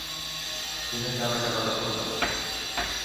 Quin encàrrec ha de recordar?